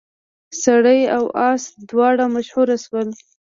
سړی او اس دواړه مشهور شول.